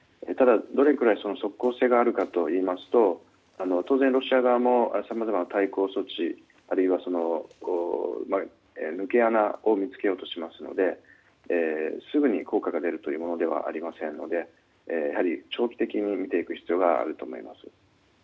ただ、どれくらい即効性があるかといいますと当然、ロシア側もさまざまな対抗措置あるいは、抜け穴を見つけようとしますのですぐに効果が出るというものではありませんのでやはり長期的に見ていく必要があると思います。